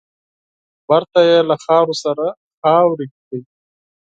بېرته يې له خاورو سره خاورې کړ .